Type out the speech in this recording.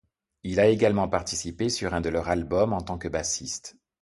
Il a également participé sur un de leurs albums en tant que bassiste.